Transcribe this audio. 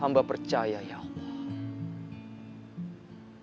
rambut percaya ya allah